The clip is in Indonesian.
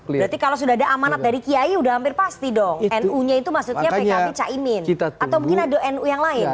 berarti kalau sudah ada amanat dari kiai sudah hampir pasti dong nu nya itu maksudnya pkb caimin atau mungkin ada nu yang lain